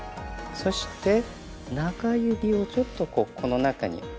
そして中指をちょっとこうこの中に。